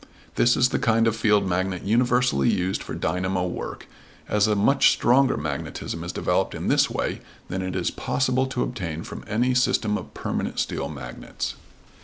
This is the kind of field magnet universally used for dynamo work, as a much stronger magnetism is developed in this way than it is possible to obtain from any system of permanent steel magnets.